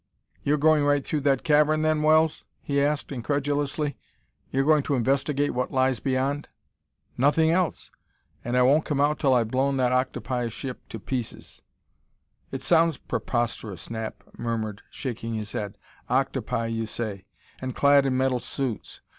"You're going right through that cavern, then, Wells?" he asked incredulously. "You're going to investigate what lies beyond?" "Nothing else! And I won't come out till I've blown that octopi ship to pieces!" "It sounds preposterous," Knapp murmured, shaking his head. "Octopi, you say and clad in metal suits!